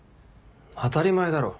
当たり前だろ。